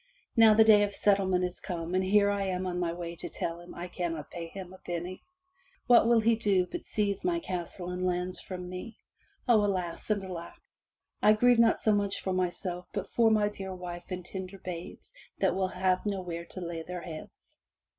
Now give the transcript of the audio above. Now the day of settlement is come and here am I on my way to tell him I cannot pay him a penny. What will he do but seize my castle and lands from me. O, alas and alack! I grieve not so much for myself but for my dear wife and tender babes that will have nowhere to lay their heads.